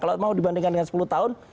kalau mau dibandingkan dengan sepuluh tahun